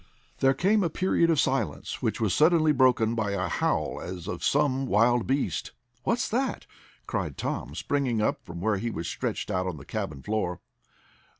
There came a period of silence, which was suddenly broken by a howl as of some wild beast. "What's that?" cried Tom, springing up from where he was stretched out on the cabin floor.